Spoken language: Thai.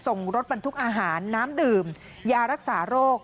ส่งรถบรรทุกอาหารน้ำดื่มยารักษาโรค